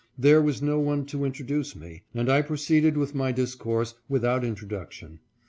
There was no one to introduce me, and I proceeded with my discourse without introduction.